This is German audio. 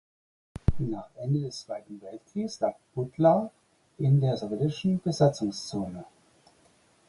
Nach Ende des Zweiten Weltkrieges lag Buttlar in der Sowjetischen Besatzungszone.